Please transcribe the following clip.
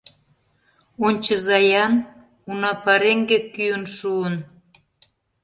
Ончыза-ян, уна пареҥге кӱын шуын